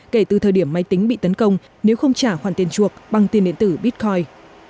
kể từ thời điểm máy tính bị tấn công nếu không trả hoàn tiền chuộc bằng tiền điện tử bitcoin